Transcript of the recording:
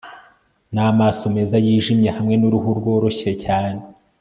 namaso meza yijimye hamwe nuruhu rworoshye cyane